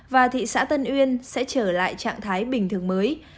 và thị xã tân uyên sẽ trở lại trạng thái bình thường mới